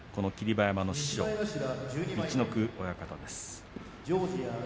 馬山の師匠、陸奥親方です。